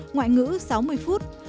ngoại ngữ sáu mươi phút